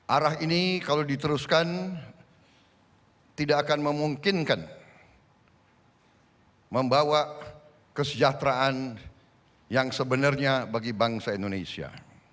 arah ini kalau diteruskan tidak akan memungkinkan membawa kesejahteraan yang sebenarnya bagi bangsa indonesia